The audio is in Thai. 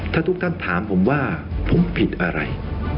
ถ้าทุกท่านถามผมว่าผมผิดอะไร